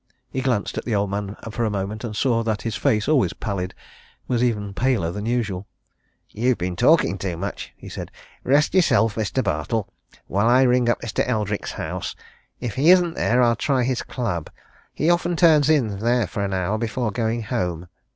He glanced at the old man for a moment and saw that his face, always pallid, was even paler than usual. "You've been talking too much," he said. "Rest yourself, Mr. Bartle, while I ring up Mr. Eldrick's house. If he isn't there, I'll try his club he often turns in there for an hour before going home."